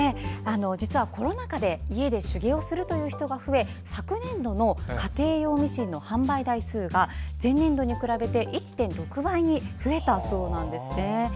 実はコロナ禍で家で手芸をする人が増え昨年度の家庭用ミシンの販売台数が前年度に比べて１．６倍に増えたそうです。